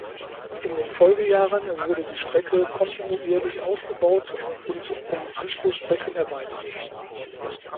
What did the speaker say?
In den Folgejahren wurde die Strecke kontinuierlich ausgebaut und um Anschlussstrecken erweitert.